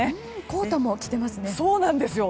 コートも着ていますね！